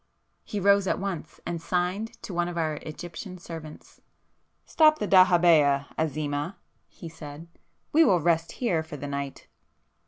He rose at once, and signed to one of our Egyptian servants. "Stop the dahabeah, Azimah," he said—"We will rest here for the night."